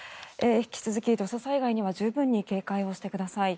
引き続き、土砂災害には十分に警戒をしてください。